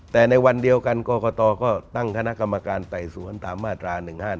แต่ในวันเดียวกันกรกตก็ตั้งคณะกรรมการไต่สวนตามมาตรา๑๕๗